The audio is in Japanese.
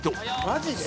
「マジで？」